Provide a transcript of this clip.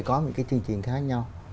có một cái chương trình khác nhau